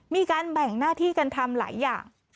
มีการแบ่งหน้าที่กันทำหลายอย่าง